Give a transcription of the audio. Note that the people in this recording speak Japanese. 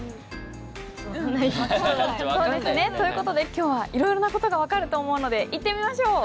今日はいろいろな事が分かると思うので行ってみましょう！